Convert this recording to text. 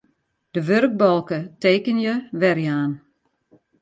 De wurkbalke Tekenje werjaan.